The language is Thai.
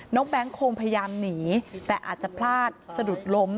น้องแบ๊งคงพยายามหนีแต่จะพลาดสะดุดล้ม